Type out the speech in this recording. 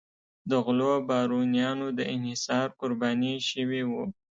د غلو بارونیانو د انحصار قرباني شوي وو.